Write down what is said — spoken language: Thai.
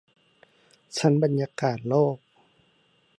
ชั้นบรรยากาศโลก